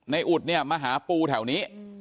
อุดเนี่ยมาหาปูแถวนี้